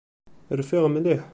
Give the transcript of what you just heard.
Rfiɣ mliḥ.